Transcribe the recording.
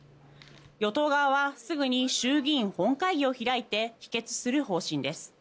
与党側はすぐに衆議院本会議を開いて否決する方針です。